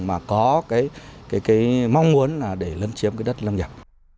mà có mong muốn để lân chiếm đất lâm nhập